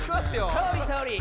ソーリーソーリー。